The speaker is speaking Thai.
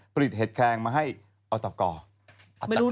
ผลิตเห็ดแคลงมาให้อัตกร